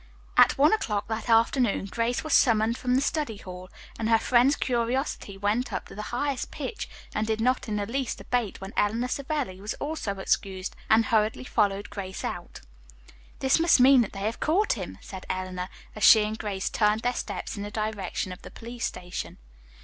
At one o'clock that afternoon Grace was summoned from the study hall, and her friends' curiosity went up to the highest pitch and did not in the least abate when Eleanor Savelli was also excused and hurriedly followed Grace out. "This must mean that they have caught him," said Eleanor, as she and Grace turned their steps in the direction of the police station.